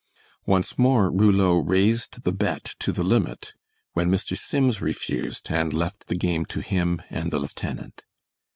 Once more Rouleau raised the bet to the limit, when Mr. Sims refused, and left the game to him and the lieutenant.